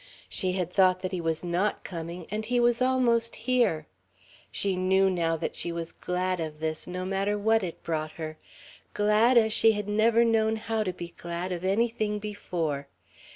She had thought that he was not coming, and he was almost here.... She knew now that she was glad of this, no matter what it brought her; glad, as she had never known how to be glad of anything before.